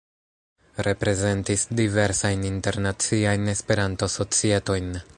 Reprezentis diversajn internaciajn Esperanto-societojn.